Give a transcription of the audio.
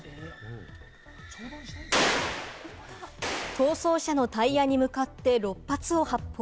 逃走車のタイヤに向かって６発を発砲。